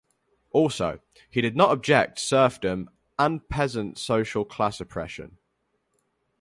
Also, he did not object serfdom and peasant social class oppression.